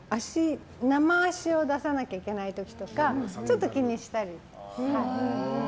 生足を出さなきゃいけない時とかちょっと気にしたり。